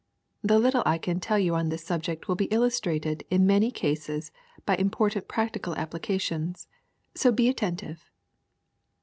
The little I can tell you on this subject will be illustrated in many cases by im portant practical applications. So be very attentive.